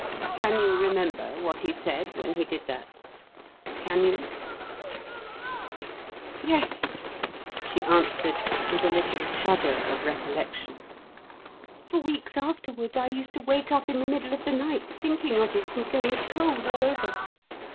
Can you remember what he said when he did that? Can you?" "Yes," she answered, with a little shudder of recollection. "For weeks afterward I used to wake up in the middle of the night thinking of it and going cold all over.